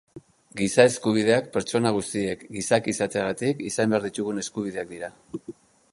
Giza eskubideak pertsona guztiek, gizaki izateagatik, izan behar ditugun eskubideak dira.